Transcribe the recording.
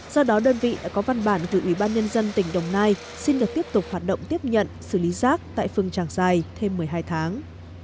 do đó đơn vị đã có văn bản từ ủy ban nhân dân tỉnh đồng nai xin được tiếp tục hoạt động tiếp nhận xử lý rác tại phương tràng dài thêm một mươi hai tháng